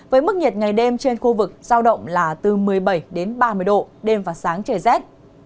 với mức nhiệt ngày đêm trên khu vực giao động là từ một mươi bảy đến ba mươi độ đêm và sáng trời rét